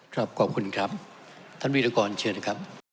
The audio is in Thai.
ครับขอบคุณครับท่านวิทยากรเชื่อนะครับ